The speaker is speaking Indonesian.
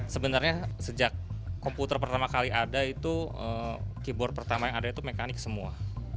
sebenarnya sejak komputer pertama kali ada itu keyboard pertama yang ada itu mekanik semua